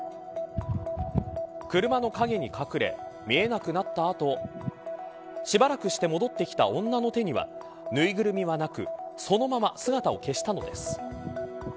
車の陰に隠れ見えなくなった後しばらくして戻ってきた女の手にはぬいぐるみはなくそのまま姿を消したのです。